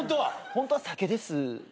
ホントは酒です。